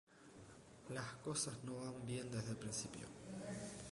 Las cosas no van bien desde el principio.